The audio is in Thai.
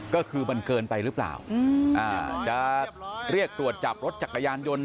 ก็คือมันเกินไปหรือเปล่าจะเรียกตรวจจับรถจักรยานยนต์